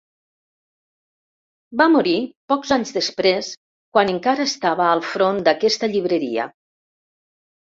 Va morir pocs anys després quan encara estava al front d'aquesta llibreria.